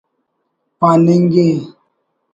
پاننگے